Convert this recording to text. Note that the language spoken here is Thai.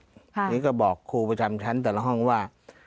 อันนี้ก็บอกครูประจำชั้นแต่ละห้องว่า